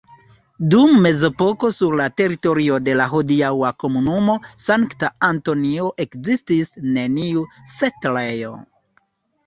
Dum mezepoko sur la teritorio de la hodiaŭa komunumo Sankt-Antoni ekzistis neniu setlejo.